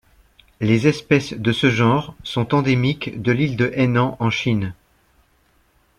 Les espèces de ce genre sont endémiques de l'île de Hainan en Chine.